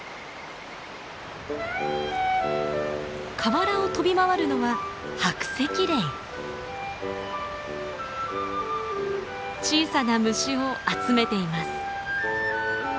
河原を飛び回るのは小さな虫を集めています。